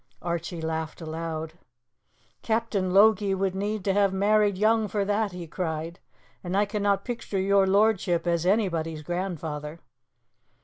Archie laughed aloud. "Captain Logie would need to have married young for that!" he cried. "And I cannot picture your lordship as anybody's grandfather."